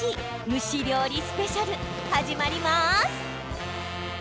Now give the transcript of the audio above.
蒸し料理スペシャル始まります。